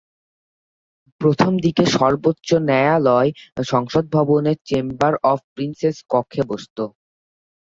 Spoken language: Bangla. প্রথম দিকে সর্বোচ্চ ন্যায়ালয় সংসদ ভবনের চেম্বার অফ প্রিন্সেস কক্ষে বসত।